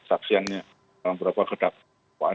saksiannya beberapa kedatuan